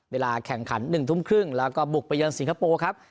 เวลาแข่งขัน๑ทุ่มครึ่งแล้วก็บุกไปเยินสิงคโปร์ครับ